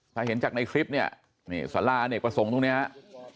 ถ้าเห็นจากในคลิปเนี่ยนี่สาราอเนกประสงค์ตรงนี้ครับ